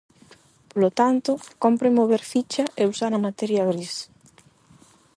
Polo tanto, cómpre mover ficha e usar a materia gris.